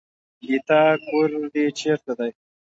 ګيتا کور دې چېرته دی.